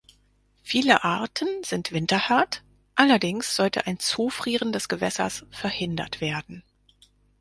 Viele Arten sind winterhart, allerdings sollte ein Zufrieren des Gewässers verhindert werden.